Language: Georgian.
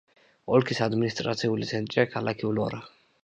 ოლქის ადმინისტრაციული ცენტრია ქალაქი ვლორა.